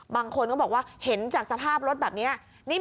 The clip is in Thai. บางคนก็บอกว่าเห็นจากสภาพรถแบบนี้